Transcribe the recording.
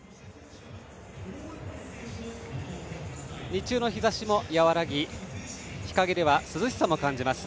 日中の日ざしも和らぎ日陰では涼しさも感じます